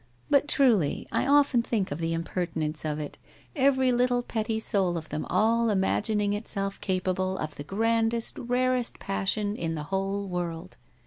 But truly, I often think of the impertinence of it, every little petty soul of them all imagining itself capable of the grandest, rarest passion in the whole world